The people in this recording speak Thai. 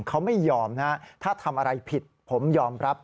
เขาไม่ยอมนะถ้าทำอะไรผิดผมยอมรับ